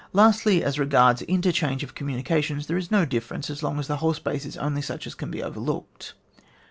Lastly, as regards interchange of commtmications, there is no difference as long as the whole space is only such as can be overlooked.